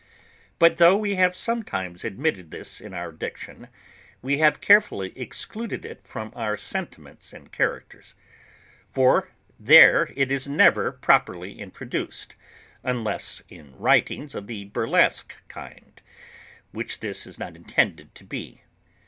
But though we have sometimes admitted this in our diction, we have carefully excluded it from our sentiments and characters; for there it is never properly introduced, unless in writings of the burlesque kind, which this is not intended to be.